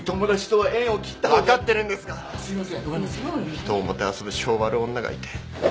人をもてあそぶ性悪女がいて